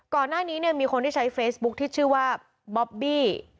ก่อนหน้านี้เนี่ยมีคนที่ใช้เฟซบุ๊คที่ชื่อว่าบ๊อบบี้